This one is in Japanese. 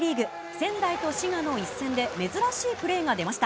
仙台と滋賀の一戦で、珍しいプレーが出ました。